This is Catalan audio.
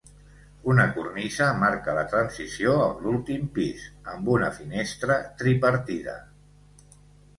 Una cornisa marca la transició amb l'últim pis amb una finestra tripartida.